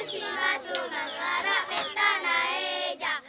kolus si batu mengarah peta naeja